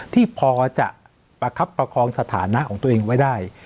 ที่พอจะประคับประคองสถานะของตัวเองไว้ได้